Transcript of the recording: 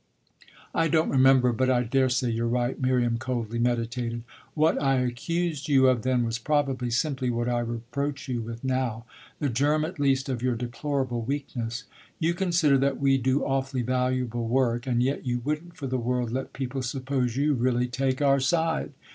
"I don't remember, but I daresay you're right," Miriam coldly meditated. "What I accused you of then was probably simply what I reproach you with now the germ at least of your deplorable weakness. You consider that we do awfully valuable work, and yet you wouldn't for the world let people suppose you really take our side.